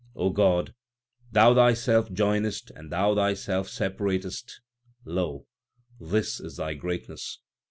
God, Thou Thyself joinest and Thou Thyself separatest lo ! this is Thy greatness.